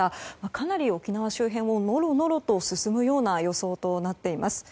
かなり沖縄周辺をのろのろと進むような予想となっています。